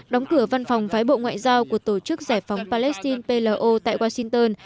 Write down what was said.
đóng cửa văn phòng phái bộ ngoại giao của tổ chức giải phóng palestine plo tại washington